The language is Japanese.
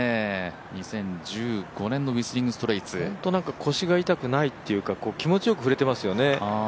２０１５年のウィスリング・ストレイツ本当になんか腰が痛くないというか気持ちよく振れていますよね。